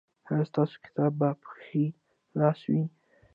ایا ستاسو کتاب به په ښي لاس وي؟